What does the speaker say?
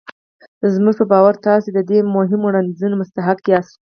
زموږ په باور تاسې د دې مهم وړانديز مستحق ياست.